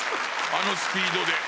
あのスピードで。